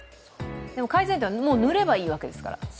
改善点は塗ればいいわけですから。